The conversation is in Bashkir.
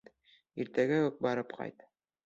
Иртәгә үк барып ҡайт.